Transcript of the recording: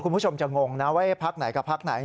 คุณผู้ชมจะงงนะว่าพักไหนกับพักไหน